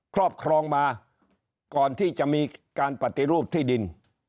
ครอบครองมาก่อนที่จะมีการปฏิรูปที่ดิน